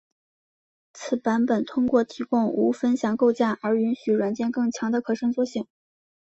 此版本通过提供无分享架构而允许软件更强的可伸缩性。